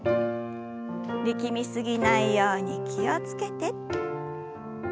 力み過ぎないように気を付けて。